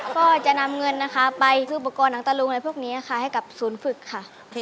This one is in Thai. ก็จะนำเงินนะคะไปซื้ออุปกรณ์หนังตะลุงอะไรพวกนี้ค่ะให้กับศูนย์ฝึกค่ะ